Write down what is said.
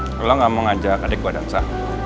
kalo lo gak mau ngajak adik gua dansa